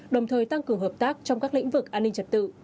đồng thời tăng cường hợp tác trong các lĩnh vực an ninh trật tự